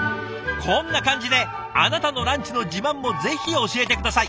こんな感じであなたのランチの自慢もぜひ教えて下さい。